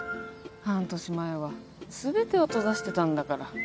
半年前は全てを閉ざしてたんだから。